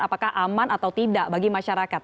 apakah aman atau tidak bagi masyarakat